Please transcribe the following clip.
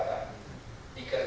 pilihan membangun jakarta